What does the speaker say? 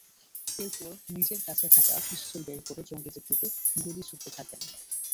এরপর নিজের কাছে থাকা পিস্তল বের করে জঙ্গিদের দিকে গুলি ছুড়তে থাকেন।